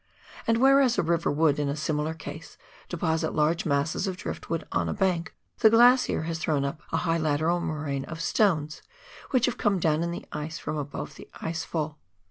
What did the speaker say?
And whereas a river would, in a similar case, deposit large masses of drift wood on a bank, the glacier has thrown up a high lateral moraine of stones which have come down in the ice from above the ice fall.